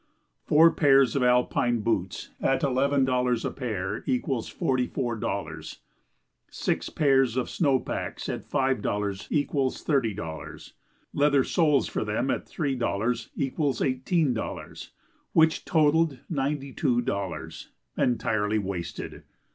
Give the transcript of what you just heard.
Four pairs of alpine boots at eleven dollars a pair equals forty four dollars. Six pairs of snow packs at five dollars equals thirty dollars. Leather soles for them at three dollars equals eighteen dollars; which totalled ninety two dollars entirely wasted.